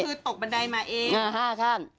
คือตกบันไดมาเอง